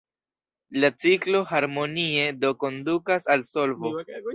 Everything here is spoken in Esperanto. La ciklo harmonie do kondukas al solvo.